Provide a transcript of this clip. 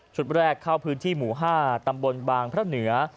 แรกเข้าพื้นที่หมู่๕ตำบลบางพระเหนือ